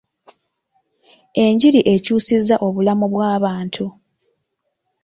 Enjiri ekyusizza obulamu bw'abantu.